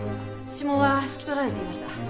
指紋は拭き取られていました。